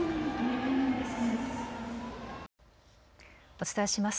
お伝えします。